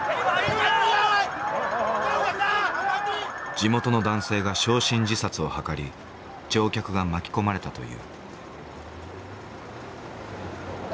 地元の男性が焼身自殺を図り乗客が巻き込まれたという。